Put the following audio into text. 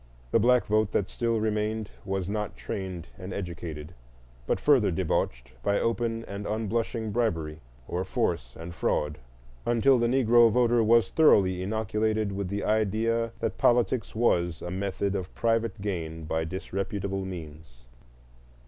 The black vote that still remained was not trained and educated, but further debauched by open and unblushing bribery, or force and fraud; until the Negro voter was thoroughly inoculated with the idea that politics was a method of private gain by disreputable means.